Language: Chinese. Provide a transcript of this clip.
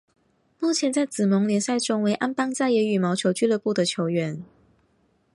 目前在紫盟联赛中为安邦再也羽毛球俱乐部的球员。